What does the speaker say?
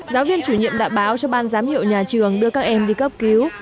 giáo viên chủ nhiệm đã báo cho ban giám hiệu nhà trường đưa các em đi cấp cứu